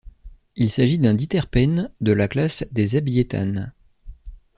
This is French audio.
Il s'agit d'un diterpène de la classe des abiétanes.